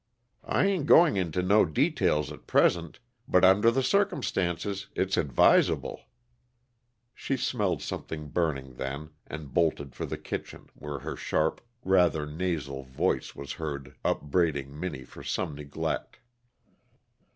I ain't going into no details at present, but under the circumstances, it's advisable." She smelled something burning then, and bolted for the kitchen, where her sharp, rather nasal voice was heard upbraiding Minnie for some neglect.